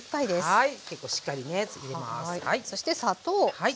はい。